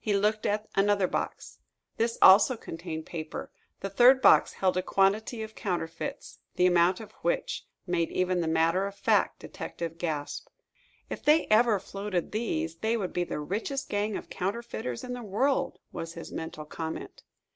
He looked at another box. This also contained paper. The third box held a quantity of counterfeits, the amount of which made even the matter of fact detective gasp. "If they ever floated these, they would be the richest gang of counterfeiters in the world!" was his mental comment.